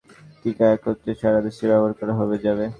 এখন অন্য টিকার সঙ্গে কলেরার টিকা একত্রে সারা দেশে ব্যবহার করা যাবে।